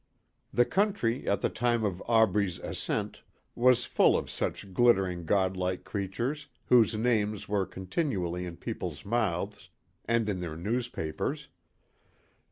The country at the time of Aubrey's ascent was full of such glittering God like creatures whose names were continually in people's mouths and in their newspapers.